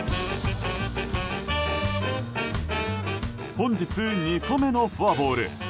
本日、２個目のフォアボール。